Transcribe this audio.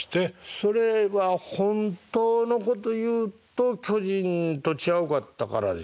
それは本当のこと言うと巨人とちゃうかったからでしょうね。